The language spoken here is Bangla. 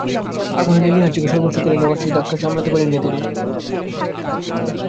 আগুনের লেলিহান শিখা সর্বস্ব কেড়ে নেওয়ার সেই ধাক্কা সহজে সামলাতে পারেননি তিনি।